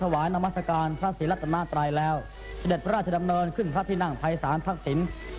วันที่๕พฤษภาคม๒๔๙๓เวลา๙นาที